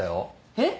えっ？